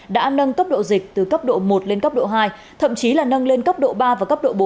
đã nâng cấp độ dịch từ cấp độ một lên cấp độ hai thậm chí là nâng lên cấp độ ba và cấp độ bốn